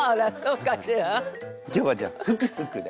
今日はじゃあふくふくで。